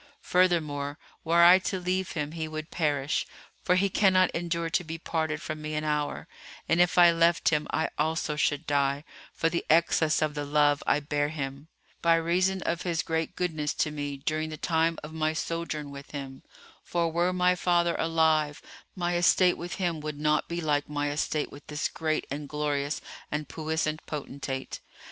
Furthermore, were I to leave him, he would perish; for he cannot endure to be parted from me an hour; and if I left him, I also should die, for the excess of the love I bear him, by reason of his great goodness to me during the time of my sojourn with him; for, were my father alive, my estate with him would not be like my estate with this great and glorious and puissant potentate.